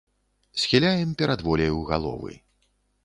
Схіляем перад воляю галовы.